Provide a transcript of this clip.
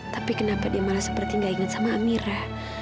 tapi kenapa dia malah seperti gak ingat sama amira